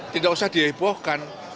tidak usah dihebohkan